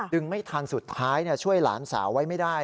ไม่ทันสุดท้ายช่วยหลานสาวไว้ไม่ได้